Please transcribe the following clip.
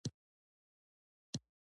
هلک د خوشالۍ پېغام راوړي.